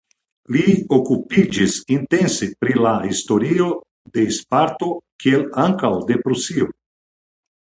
Li okupiĝis intense pri la historio de Sparto kiel ankaŭ de Prusio.